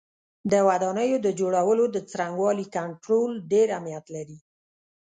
د ودانیو د جوړولو د څرنګوالي کنټرول ډېر اهمیت لري.